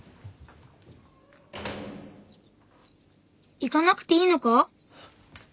・行かなくていいのか？